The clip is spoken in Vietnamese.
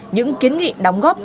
những kiến nghị đóng góp